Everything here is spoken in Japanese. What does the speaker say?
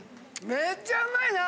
めっちゃうまいな！